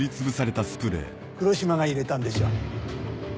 黒島が入れたんでしょう。